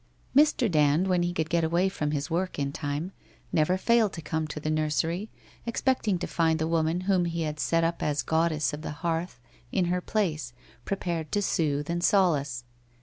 Mr. Dand, when he could get away from his work in time, never failed to come to the nursery, expecting to find the woman whom he had set up as goddess of the hearth, in her place, prepared to soothe and solace.